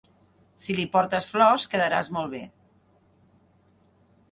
Si li portes flors quedaràs molt bé.